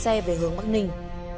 chạy về hướng bắc ninh